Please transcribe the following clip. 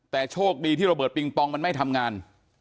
แต่โชคดีที่ระเบิดปิงปองมันไม่ทำงาน